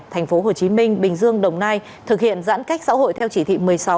thành phố hồ chí minh bình dương đồng nai thực hiện giãn cách xã hội theo chỉ thị một mươi sáu